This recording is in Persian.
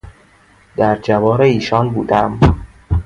در جوار ایشان بودیم